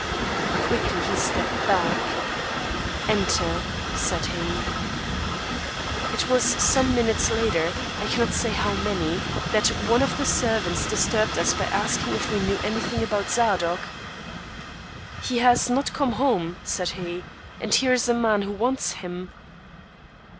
Quickly he stepped back. "Enter," said he. It was some minutes later I cannot say how many that one of the servants disturbed us by asking if we knew anything about Zadok. "He has not come home," said he, "and here is a man who wants him."